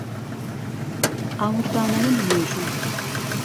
ئاوردانەوە لە مێژوو